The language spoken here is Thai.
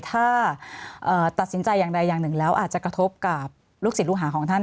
ถ้าตัดสินใจอย่างใดอย่างหนึ่งแล้วอาจจะกระทบกับลูกศิษย์ลูกหาของท่าน